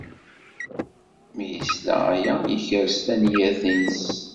Mi yesla aya, yekres tanyirt-nnes.